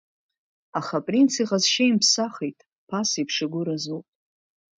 Аха апринц иҟазшьа имԥсахит, ԥасеиԥш игәы разуп.